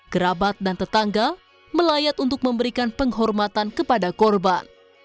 kerabat dan tetangga melayat untuk memberikan penghormatan kepada korban